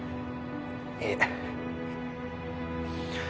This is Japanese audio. いえ